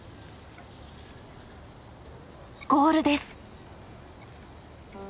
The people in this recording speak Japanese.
ゴールです！